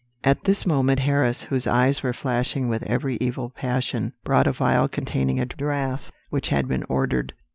"At this moment Harris, whose eyes were flashing with every evil passion, brought a vial containing a draught which had been ordered.